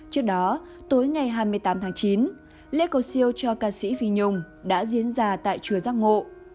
trước đó tối ngày hai mươi tám tháng chín lễ cầu siêu cho ca sĩ phi nhung đã diễn ra tại chùa giác ngộ